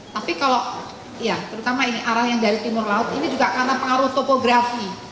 tapi kalau ya terutama ini arah yang dari timur laut ini juga karena pengaruh topografi